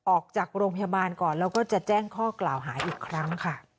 ออกจากโรงพยาบาลก่อนแล้วก็จะแจ้งข้อกล่าวหาอีกครั้งค่ะ